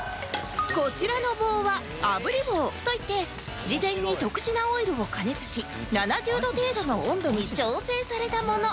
こちらの棒はあぶり棒といって事前に特殊なオイルを加熱し７０度程度の温度に調整されたもの